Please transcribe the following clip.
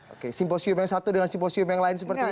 oke simposium yang satu dengan simposium yang lain seperti itu